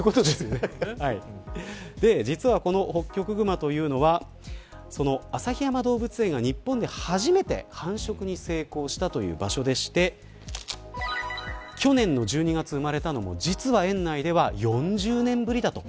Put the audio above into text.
実はこのホッキョクグマというのは旭山動物園が、日本で初めて繁殖に成功したという場所でして去年の１２月生まれたのも実は園内でも４０年ぶりだと。